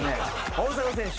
大迫選手